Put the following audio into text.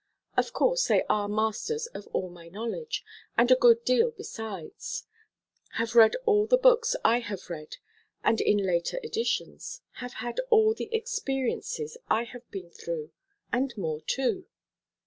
Of course they are masters of all my knowledge, and a good deal besides; have read all the books I have read, and in later editions; have had all the experiences I have been through, and more, too.